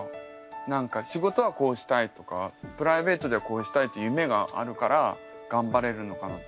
何か仕事はこうしたいとかプライベートではこうしたいと夢があるからがんばれるのかなって